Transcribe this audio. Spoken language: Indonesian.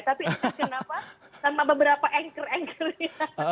tapi itu kenapa sama beberapa anchor anchornya